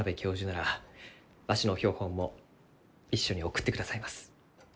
ならわしの標本も一緒に送ってくださいます。